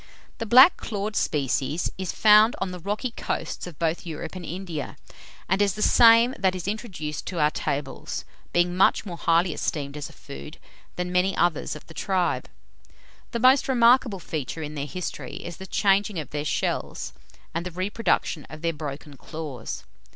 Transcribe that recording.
The black clawed species is found on the rocky coasts of both Europe and India, and is the same that is introduced to our tables, being much more highly esteemed as a food than many others of the tribe. The most remarkable feature in their history, is the changing of their shells, and the reproduction of their broken claws.